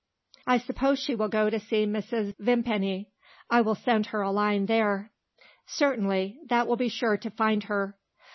"I suppose she will go to see Mrs. Vimpany. I will send her a line there." "Certainly. That will be sure to find her."